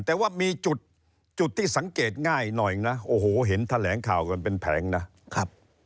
แต่ว่ามีจุดจุดที่สังเกตง่ายหน่อยนะโอ้โหเห็นแถลงข่าวกันเป็นแผงนะครับ